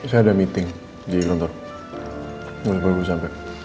saya ada meeting di lontor nggak bisa bisa sampai